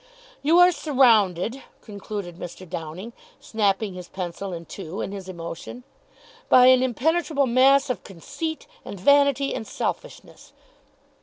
"You are surrounded," concluded Mr. Downing, snapping his pencil in two in his emotion, "by an impenetrable mass of conceit and vanity and selfishness.